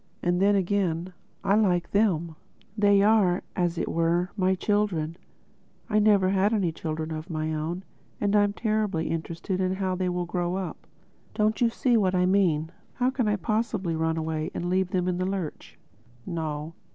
And then again, I like them. They are, as it were, my children—I never had any children of my own—and I am terribly interested in how they will grow up. Don't you see what I mean?—How can I possibly run away and leave them in the lurch?... No.